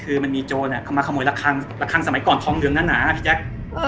คือมันมีโจรมาขโมยละครั้งละครั้งสมัยก่อนท้องเหลืองหน้าหนาพี่แจ๊ค